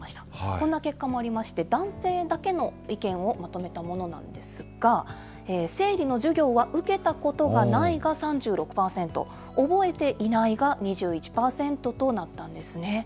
こんな結果もありまして、男性だけの意見をまとめたものなんですが、生理の授業は受けたことがないが３６％、覚えていないが２１％となったんですね。